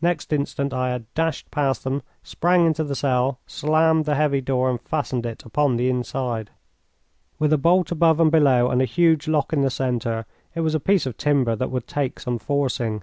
Next instant I had dashed past them, sprang into the cell, slammed the heavy door, and fastened it upon the inside. With a bolt above and below and a huge lock in the centre it was a piece of timber that would take some forcing.